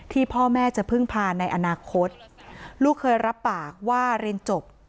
ที่พ่อแม่จะพึ่งพาในอนาคตลูกเคยรับปากว่าเรียนจบ